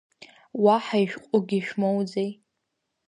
Уаҳа ишәҟәгьы шәмоуӡеи?